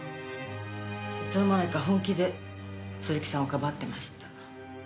いつの間にか本気で鈴木さんを庇ってました。